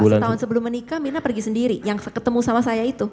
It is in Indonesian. oh enggak setahun sebelum menikah myrna pergi sendiri yang ketemu sama saya itu